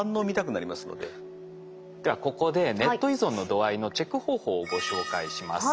ではここでネット依存の度合いのチェック方法をご紹介します。